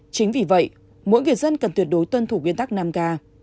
chính vì vậy mỗi người dân cần tuyệt đối tuân thủ nguyên tắc năm ga